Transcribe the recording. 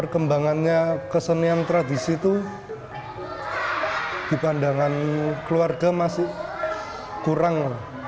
hanya karena fortress sudah k dudung